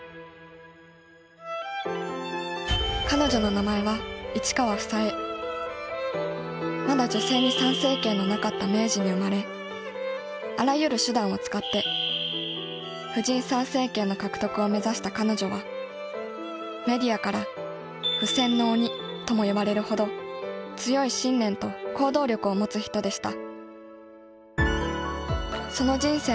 彼女の名前はまだ女性に参政権のなかった明治に生まれあらゆる手段を使って婦人参政権の獲得を目指した彼女はメディアから「婦選の鬼」とも呼ばれるほど強い信念と行動力を持つ人でした。